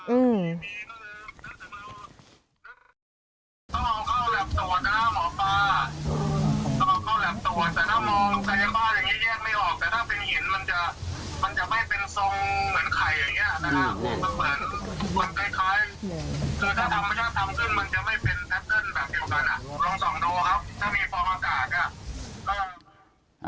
อืม